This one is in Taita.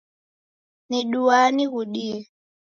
Niduaa nighudie.